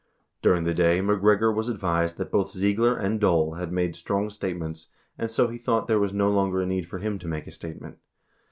97 During the day, MacGregor was advised that both Ziegler and Dole had made strong statements, and so he thought there was no longer a need for him to make a statement.